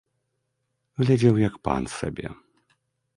Глядзеў, як пан, сабе.